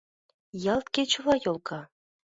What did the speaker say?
Ялт кечыла йолга…